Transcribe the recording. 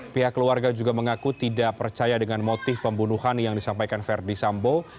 pihak keluarga juga mengaku tidak percaya dengan motif pembunuhan yang disampaikan verdi sambo